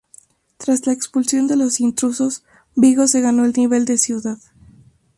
Tras la expulsión de los intrusos, Vigo se ganó el nivel de ciudad.